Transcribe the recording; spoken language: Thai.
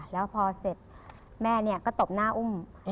แล้วพอเสร็จแม่ก็ตบหน้าอุ้ม